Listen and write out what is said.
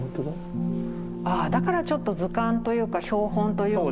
ああだからちょっと図鑑というか標本というか。